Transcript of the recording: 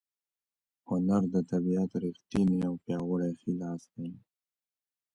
هنر د طبیعت ریښتینی او پیاوړی ښی لاس دی.